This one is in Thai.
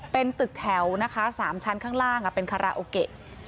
เป็นตึกแถวนะคะ๓ชั้นข้างล่างเป็นคาราโอเกะ